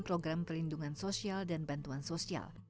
program perlindungan sosial dan bantuan sosial